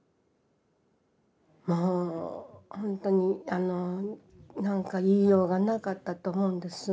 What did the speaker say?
もうほんとになんか言いようがなかったと思うんです。